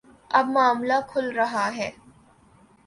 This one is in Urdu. اب معاملہ کھل رہا ہے۔